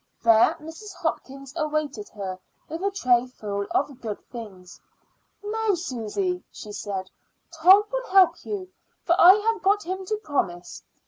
There Mrs. Hopkins awaited her with a tray full of good things. "Now, Susy," she said, "Tom will help you, for I have got him to promise.